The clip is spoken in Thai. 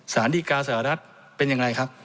สารดีกาสหรัฐเป็นอย่างไรครับ